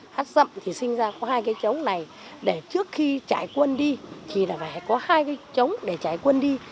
hát giọng thì sinh ra có hai cái chống này để trước khi trái quân đi thì là phải có hai cái chống để trái quân đi